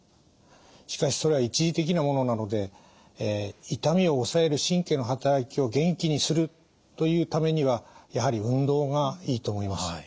しかしそれは一時的なものなので痛みを抑える神経の働きを元気にするというためにはやはり運動がいいと思います。